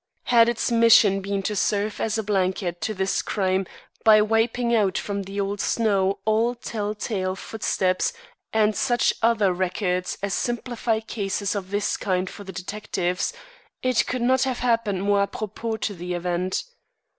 Had its mission been to serve as a blanket to this crime by wiping out from the old snow all tell tale footsteps and such other records as simplify cases of this kind for the detectives, it could not have happened more apropos to the event.